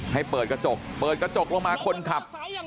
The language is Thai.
ให้เปิดกระจกเปิดกระจกลงมาคนขับ